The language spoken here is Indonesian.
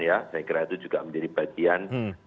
saya kira itu juga menjadi bagian